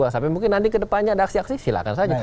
sampai mungkin nanti ke depannya ada aksi aksi silakan saja